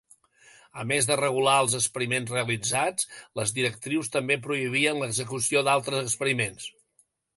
A més de regular els experiments realitzats, les directrius també prohibien l'execució d'altres experiments.